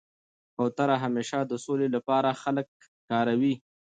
کوتره همېشه د سولي له پاره خلک کاروي.